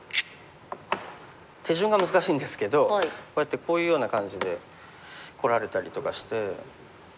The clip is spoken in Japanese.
手順が難しいんですけどこうやってこういうような感じでこられたりとかして。